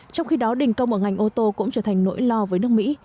trong khi đó đình công ở ngành ô tô cũng trở thành nỗi lo với nước mỹ